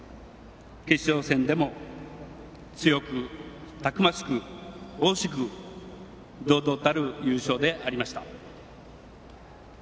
決勝戦でも強く、たくましく、雄雄しく堂々たる優勝でありました。